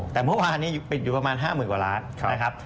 แต่เมื่อวานนี้ปิดอยู่ประมาณ๕๐๐๐กว่าล้านนะครับ